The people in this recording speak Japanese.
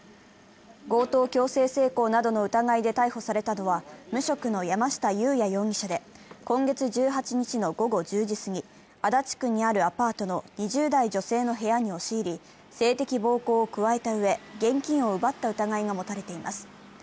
強盗強制性交などの疑いで逮捕されたのは、無職の山下裕也容疑者で今月１８日の午後１０時すぎ、足立区にあるアパートの２０代女性の部屋に押し入り性的暴行を加えたうえ、現金を奪った疑いが持たれています。